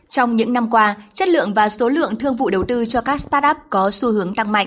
trong những năm qua chất lượng và số lượng thương vụ đầu tư cho các start up có xu hướng tăng mạnh